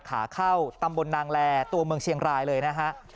ขาเข้าตำบลนางแลตัวเมืองเชียงรายเลยนะฮะ